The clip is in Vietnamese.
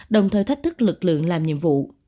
đồng thời thách thức lực lượng làm nhiệm vụ